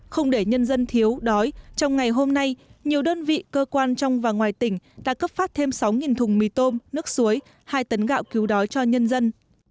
không để nhân dân thiếu đói trong ngày hôm nay nhiều đơn vị cơ quan trong và ngoài tỉnh đã cấp phát thêm sáu thùng mì tôm nước suối hai tấn gạo cứu đói cho nhân dân